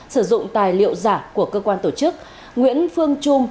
sử dụng tài liệu giả của cơ quan tổ chức nguyễn phương trung